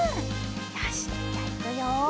よしじゃいくよ！